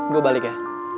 gue balik ya